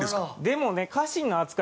でもね。